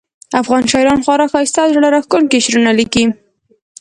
افغان شاعران خورا ښایسته او زړه راښکونکي شعرونه لیکي